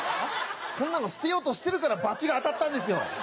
そんなの捨てようとしてるから罰が当たったんですよ。